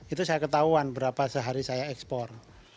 itu saya ketahuan berapa sehari saya ekspor